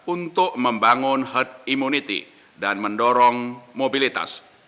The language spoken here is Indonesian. untuk membangun herd immunity dan mendorong mobilitas